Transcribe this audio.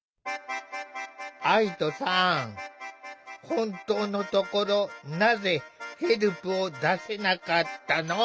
本当のところなぜヘルプを出せなかったの？